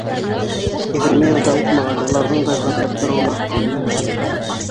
Егерме йыл да уҙмаған уларҙың да гөрләп тороуына.